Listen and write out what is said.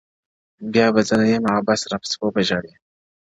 بيا به زه نه يمه عبث راپسې وبه ژاړې;